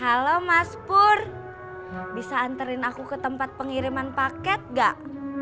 halo mas pur bisa anterin aku ke tempat pengiriman paket gak